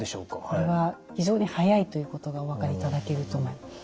これは非常に速いということがお分かりいただけると思います。